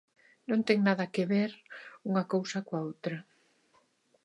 Non ten nada que ver unha cousa coa outra.